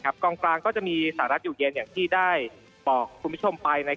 กองกลางก็จะมีสหรัฐอยู่เย็นอย่างที่ได้บอกคุณผู้ชมไป